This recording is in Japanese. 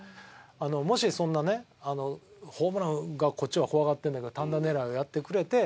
もしそんなねホームランがこっちは怖がってるんだけど単打狙いをやってくれて。